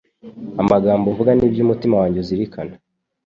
Amagambo mvuga n’ibyo umutima wanjye uzirikana